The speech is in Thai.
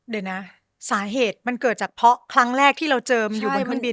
เดี๋ยวนะสาเหตุมันเกิดจากเพราะครั้งแรกที่เราเจอมันอยู่บนเครื่องบิน